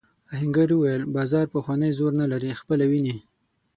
آهنګر وویل بازار پخوانی زور نه لري خپله وینې.